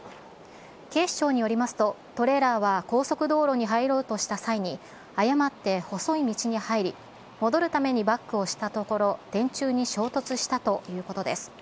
警視庁によりますと、トレーラーは高速道路に入ろうとした際に、誤って細い道に入り、戻るためにバックをしたところ、電柱に衝突したということです。